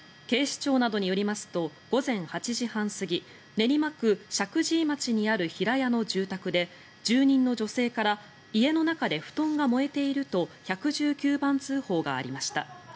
警視庁などによりますと午前８時半過ぎ練馬区石神井町にある平屋の住宅で住人の女性から家の中で布団が燃えていると１１９番通報がありました。